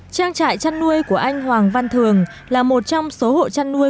trang trại chăn nuôi của anh hoàng văn thường là một trong số hộ chăn nuôi